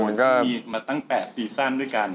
ที่มีมาตั้งแต่ซีซั่นด้วยกัน